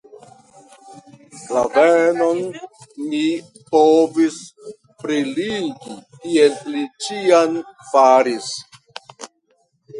La velon mi povus pretigi kiel li ĉiam faris.